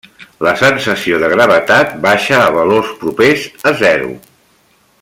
La sensació de gravetat baixa a valors propers a zero.